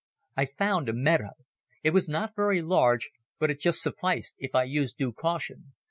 I found a meadow. It was not very large but it just sufficed if I used due caution.